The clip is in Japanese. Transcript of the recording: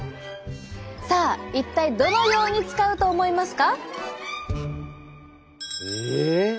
さあ一体どのように使うと思いますか？